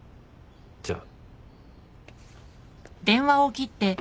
じゃあ。